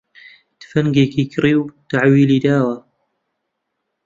تفەنگێکی کڕی و تەحویلی داوە